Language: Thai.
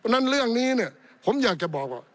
นั้นเรื่องนี้เนี่ยผมอยากจะบอกว่า